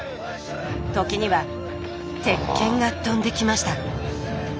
時には鉄拳が飛んできました。